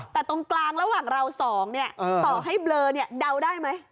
แต่ตรงกลางระหว่างเราสองเนี่ยต่อให้เบลอเดาได้ไหม